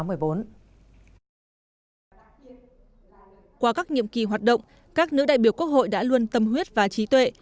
qua các nhiệm kỳ hoạt động các nữ đại biểu quốc hội đã luôn tâm huyết và trí tuệ